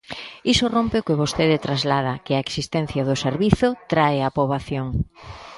Iso rompe o que vostede traslada, que a existencia do servizo trae a poboación.